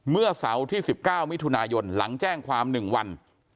เมื่อเสาร์ที่๑๙มิถุนายนหลังแจ้งความ๑วัน